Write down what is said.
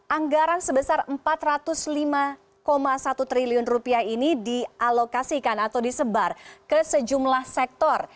anggaran sebesar rp empat ratus lima satu triliun ini dialokasikan atau disebar ke sejumlah sektor